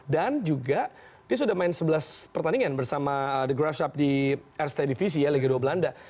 dan juga dia sudah main sebelas pertandingan bersama graf schaff di rst divisi ya liga dua belanda